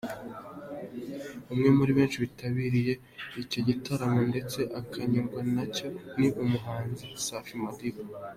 Umwe muri benshi bitabiriye icyo gitaramo ndetse akanyurwa na cyo ni umuhanzi Safi Madiba.